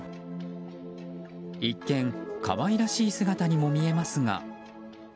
一見、可愛らしい姿にも見えますが。